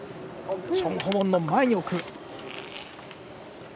チョン・ホウォンの前に置く。